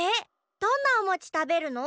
どんなおもちたべるの？